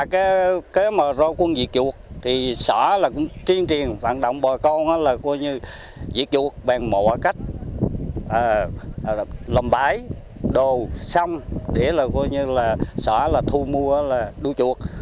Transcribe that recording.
cái mà rô quân diệt chuột thì sở là tiên tiền vận động bà con là diệt chuột bàn mộ cách lồng bái đồ xăm để sở thu mua đôi chuột